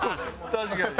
確かに。